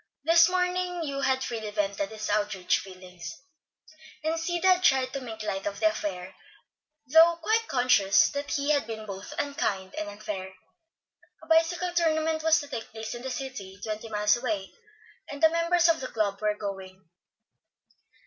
This morning Hugh had freely vented his outraged feelings, and Sid had tried to make light of the affair, though quite conscious that he had been both unkind and unfair. A bicycle tournament was to take place in the city, twenty miles away, and the members of the club were going.